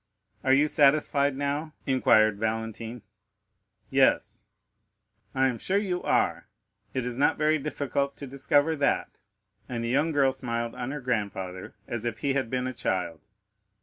"Are you satisfied now?" inquired Valentine. "Yes." "I am sure you are; it is not very difficult to discover that." And the young girl smiled on her grandfather, as if he had been a child.